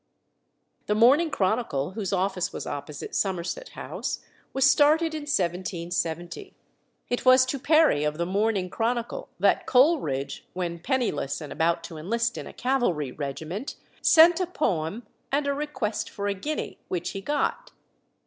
The Morning Chronicle, whose office was opposite Somerset House, was started in 1770. It was to Perry, of the Morning Chronicle, that Coleridge, when penniless and about to enlist in a cavalry regiment, sent a poem and a request for a guinea, which he got.